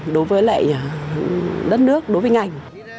đối với đất nước đối với ngành